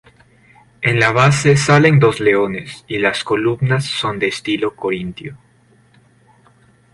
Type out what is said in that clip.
En la base salen dos leones y las columnas son de estilo corintio.